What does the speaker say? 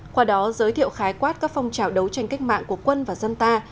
qua đó giới thiệu khái quát các phong trào đấu tranh cách mạng của quân và dân ta